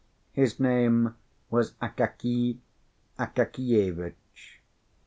His name was Akakiy Akakievitch.